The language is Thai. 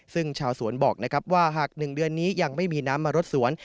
ซึ่งชาวสวนบอกนะครับว่าหาก๑เดือนนี้ยังไม่มีน้ำมารดสวน